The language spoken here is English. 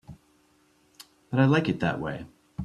But I like it that way.